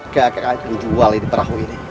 kakek akan jual perahu ini